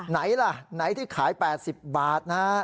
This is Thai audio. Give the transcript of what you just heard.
ไหนล่ะไหนที่ขาย๘๐บาทนะ